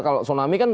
kalau tsunami kan